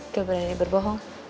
gak berani berbohong